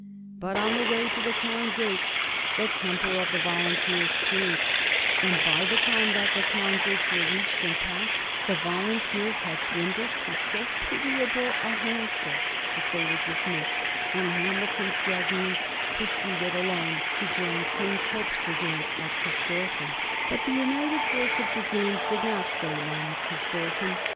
But on the way to the town gates the temper of the volunteers changed, and by the time that the town gates were reached and passed the volunteers had dwindled to so pitiable a handful that they were dismissed, and Hamilton's Dragoons proceeded alone to join Cope's King's Dragoons at Corstorphine. But the united force of dragoons did not stay long at Corstorphine.